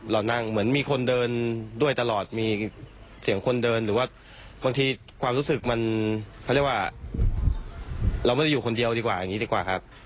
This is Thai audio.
เรานั่งเหมือนมีคนเดินด้วยตลอดมีเสียงคนเดินหรือว่าบางทีความรู้สึกมันเขาเรียกว่าเราไม่ได้อยู่คนเดียวดีกว่าอย่างนี้ดีกว่าครับ